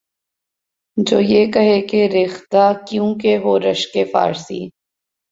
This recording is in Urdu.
جو یہ کہے کہ ’’ ریختہ کیوں کہ ہو رشکِ فارسی؟‘‘